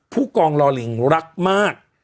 ผู้กองลอลิงรักมาก